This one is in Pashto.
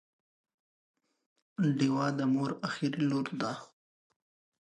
ډیوه د مور اخري لور ده